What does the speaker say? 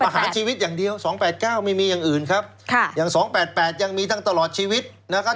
หารชีวิตอย่างเดียว๒๘๙ไม่มีอย่างอื่นครับค่ะอย่าง๒๘๘ยังมีทั้งตลอดชีวิตนะครับ